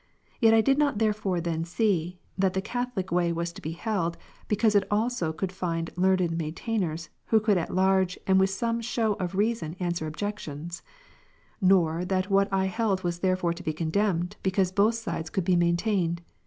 Yet did I not there fore then see, that the Catholic way was to be held, because it also could find learned maintainers, who could at large and wdth some shew of reason answer objections ; nor that what I held was therefore to be condemned, because both sides could be maintained.